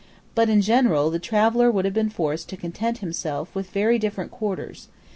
But, in general, the traveller would have been forced to content himself with very different quarters.